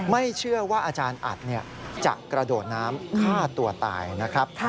ไม่เชื่อว่าอาจารย์อัดจะกระโดดน้ำฆ่าตัวตายนะครับ